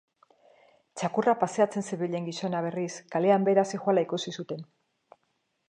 Zakurra paseatzen zebilen gizona, berriz, kalean behera zihoala ikusi zuten.